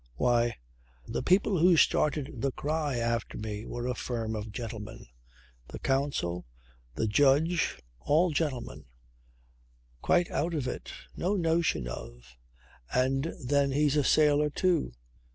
Why! the people who started the cry after me were a firm of gentlemen. The counsel, the judge all gentlemen quite out of it! No notion of ... And then he's a sailor too.